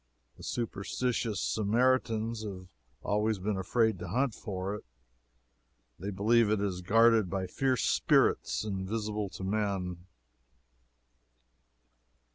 The superstitious Samaritans have always been afraid to hunt for it. They believe it is guarded by fierce spirits invisible to men.